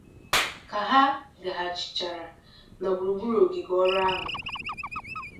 Ka ha gagharịchara na gburugburu ogige ọrụ ahụ